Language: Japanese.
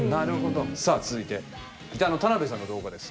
さあ続いてギターの田辺さんの動画です。